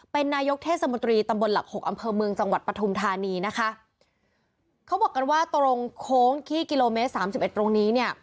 เป็นนายกเทศมนตรีตำบลหลักหกอำเภอเมืองจังหวัดปฐุมธานีนะคะเขาบอกกันว่าตรงโค้งขี้กิโลเมตรสามสิบเอ็ดตรงนี้เนี่ย